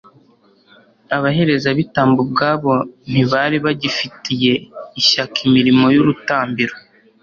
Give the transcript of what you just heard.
abaherezabitambo ubwabo ntibari bagifitiye ishyaka imirimo y'urutambiro